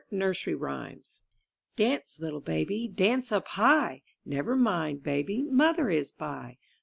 MYBOOK HOUSE ANCE, little Baby, dance up high! Never mind, Baby, Mother is by.